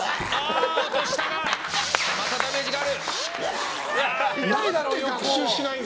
またダメージがある。